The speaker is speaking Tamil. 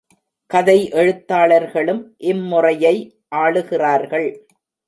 கதை எழுத்தாளர்களும் இம்முறையை ஆளுகிறார்கள்.